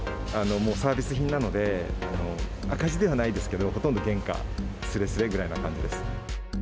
もうサービス品なので、赤字ではないですけど、ほとんど原価すれすれぐらいな感じです。